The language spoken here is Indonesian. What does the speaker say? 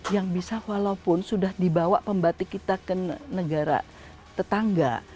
yang bisa walaupun sudah dibawa pembatik kita ke negara tetangga